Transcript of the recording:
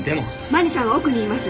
まにさんは奥にいます。